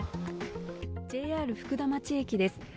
ＪＲ福田町駅です。